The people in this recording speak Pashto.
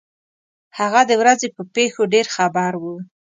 هغه د ورځې په پېښو ډېر خبر وو.